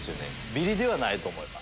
ビリではないと思います。